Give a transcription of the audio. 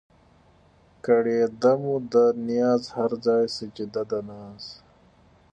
کړېده مو ده نياز هر ځای سجده د ناز